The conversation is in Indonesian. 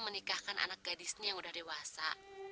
menikahkan anak gadisnya yang udah dewasa